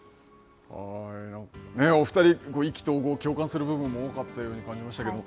お２人、意気投合、共感する部分が多かったように感じましたけど。